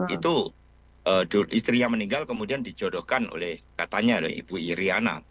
itu istri yang meninggal kemudian dijodohkan oleh katanya ibu iryana